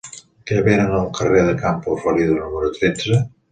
Què venen al carrer de Campo Florido número tretze?